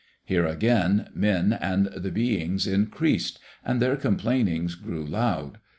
Here again men and the beings increased, and their complainings grew loud.